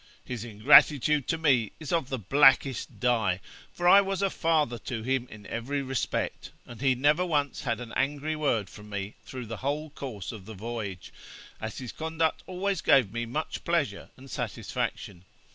His ingratitude to me is of the blackest dye, for I was a father to him in every respect, and he never once had an angry word from me through the whole course of the voyage, as his conduct always gave me much pleasure and satisfaction.